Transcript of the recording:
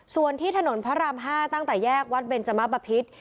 ส่วนที่ถนนพระราม๕ตั้งแต่แยกวัดเบนจมะบะพิษ